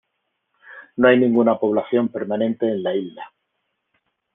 No hay ninguna población permanente en la isla.